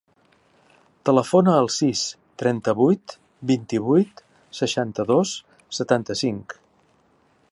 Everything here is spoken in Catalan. Telefona al sis, trenta-vuit, vint-i-vuit, seixanta-dos, setanta-cinc.